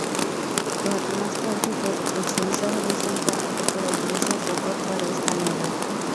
ঘটনাস্থল থেকে একটি ছুরিসহ জিসানকে আটক করে পুলিশে সোপর্দ করে স্থানীয়রা।